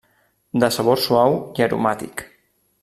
De sabor suau i aromàtic.